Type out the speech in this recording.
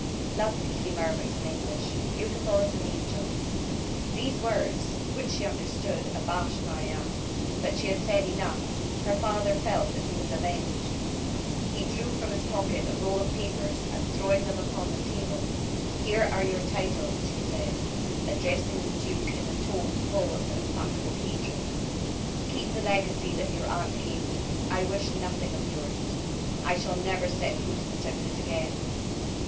"Lovely!" he murmured, in English; "beautiful as an angel!" These words, which she understood, abashed Marie Anne. But she had said enough; her father felt that he was avenged. He drew from his pocket a roll of papers, and throwing them upon the table: "Here are your titles," he said, addressing the duke in a tone full of implacable hatred. "Keep the legacy that your aunt gave me, I wish nothing of yours. I shall never set foot in Sairmeuse again.